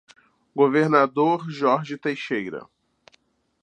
Governador Jorge Teixeira